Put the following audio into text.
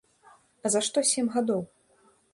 А за што сем гадоў?